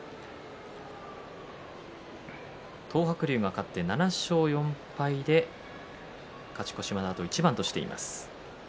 東白龍が勝って７勝４敗で勝ち越しまであと一番としています。